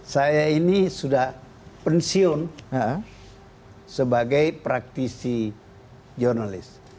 saya ini sudah pensiun sebagai praktisi jurnalis